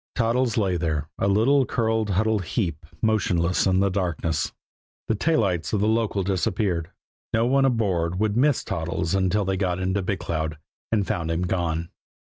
Toddles lay there, a little, curled, huddled heap, motionless in the darkness. The tail lights of the local disappeared. No one aboard would miss Toddles until they got into Big Cloud and found him gone.